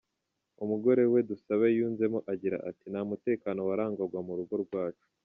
Umugore we, Dusabe, yunzemo agira ati: "Nta mutekano warangwaga mu rugo rwacu.